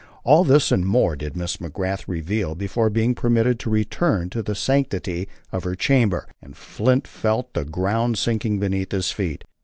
All this and more did Miss McGrath reveal before being permitted to return to the sanctity of her chamber, and Flint felt the ground sinking beneath his feet.